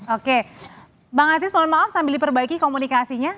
oke bang aziz mohon maaf sambil diperbaiki komunikasinya